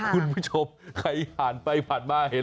คุณผู้ชมใครผ่านไปผ่านมาเห็น